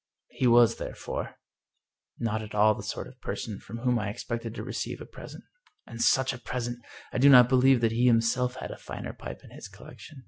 He was, therefore, not 223 English Mystery Stories at all the sort of person from whom I expected to receive a present. And such a present! I do not believe that he himself had a finer pipe in his collection.